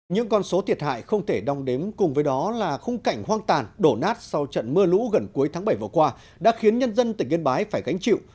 những con số thiệt hại không thể đong đếm cùng với đó là khung cảnh hoang tàn đổ nát sau trận mưa lũ gần cuối tháng bảy vừa qua đã khiến nhân dân tỉnh yên bái phải gánh chịu